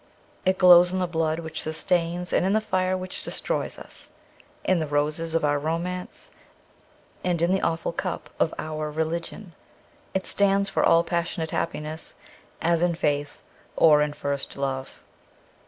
It glows in the blood which sustains and in the fire which destroys us, in the roses of our romance and in the awful cup of our religion. It stands for all passionate happiness, as in faith or in first love.